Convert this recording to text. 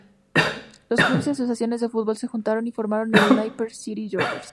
Los clubes y asociaciones de fútbol se juntaron y formaron el "Napier City Rovers".